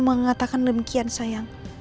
mengatakan demikian sayang